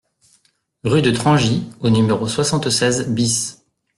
Rue de Trangy au numéro soixante-seize BIS